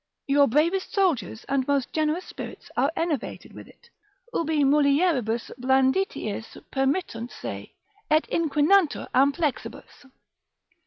Your bravest soldiers and most generous spirits are enervated with it, ubi mulieribus blanditiis permittunt se, et inquinantur amplexibus.